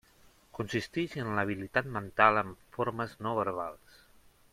Consistix en l'habilitat mental amb formes no verbals.